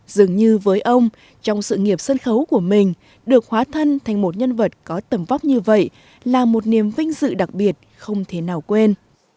dường như với ông trong sự nghiệp sân khấu của mình được hóa thân thành một nhân vật có tầm vóc như vậy là một niềm vinh dự đặc biệt không thể nào quên